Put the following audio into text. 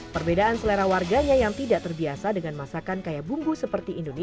perbedaan selera warganya yang tidak terbiasa dengan masakan kaya bumbu seperti indonesia